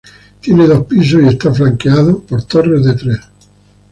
Tiene dos pisos, y está flanqueado por torres de tres.